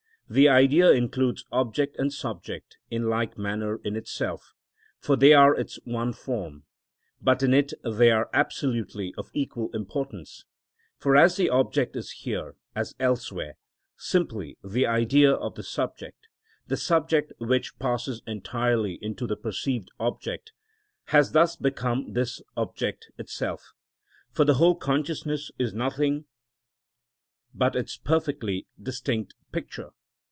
The Idea includes object and subject in like manner in itself, for they are its one form; but in it they are absolutely of equal importance; for as the object is here, as elsewhere, simply the idea of the subject, the subject, which passes entirely into the perceived object has thus become this object itself, for the whole consciousness is nothing but its perfectly distinct picture.